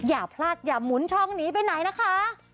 อย่าพลาดอย่าหมุนช่องหนีไปไหนนะคะ